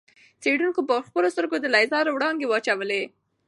څېړونکو پر خپلو سترګو د لېزر وړانګې واچولې.